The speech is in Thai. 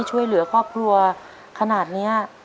ช่วยเหลือครอบครัวขนาดนี้